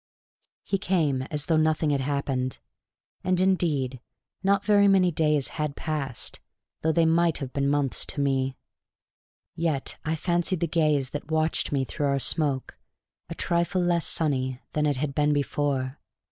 He came as though nothing had happened; and, indeed, not very many days had passed, though they might have been months to me. Yet I fancied the gaze that watched me through our smoke a trifle less sunny than it had been before.